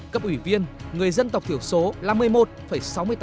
cấp ủy viên người dân tộc thiểu số là một mươi một sáu mươi tám